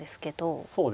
そうですね。